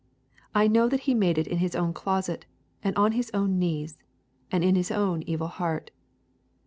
I know that he made it in his own closet, and on his own knees, and in his own evil heart.